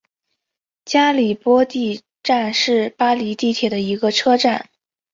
加里波第站是巴黎地铁的一个车站。